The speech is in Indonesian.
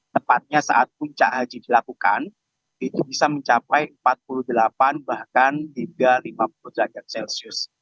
tepatnya saat puncak haji dilakukan itu bisa mencapai empat puluh delapan bahkan hingga lima puluh derajat celcius